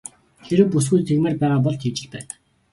Хэрэв бүсгүй тэгмээр байгаа бол тэгж л байг.